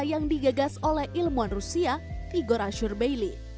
yang digagas oleh ilmuwan rusia igor ashurbeyli